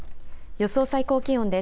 予想最高気温です。